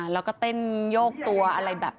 แล้วก็เต้นโยกตัวอะไรแบบ